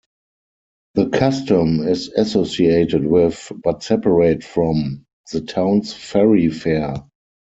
The custom is associated with, but separate from, the town's Ferry Fair.